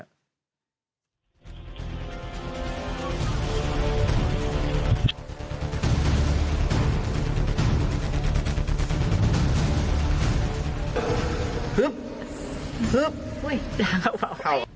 นี่ไปไหนไปข้างหลังแงบเลย